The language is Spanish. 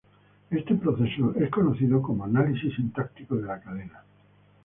Este proceso es conocido como análisis sintáctico de la cadena.